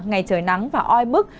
ngày trời nắng và oi bức